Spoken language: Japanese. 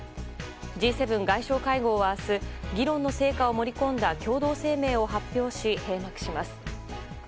Ｇ７外相会合は明日議論の成果を盛り込んだ共同声明を発表し閉幕します。